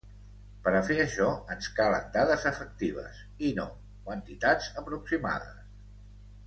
Per a fer això ens calen dades efectives i no quantitats aproximades.